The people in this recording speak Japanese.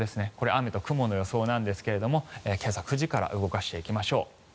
雨と雲の予想なんですが今朝９時から動かしていきましょう。